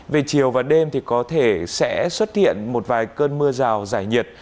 về chiều và đêm thì có thể sẽ xuất hiện một vài cơn mưa rào giải nhiệt